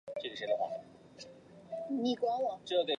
松坞云庄建于清朝乾隆十年。